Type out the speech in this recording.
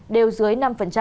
đều dưới năm